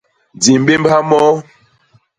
Di mbémbha moo.